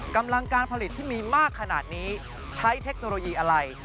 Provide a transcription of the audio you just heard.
กำลังการผลิตที่มีมากขนาดนี้ใช้เทคโนโลยีอะไร